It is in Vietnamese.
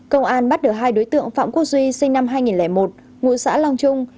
công an bắt được hai đối tượng phạm quốc duy sinh năm hai nghìn một ngụ xã long trung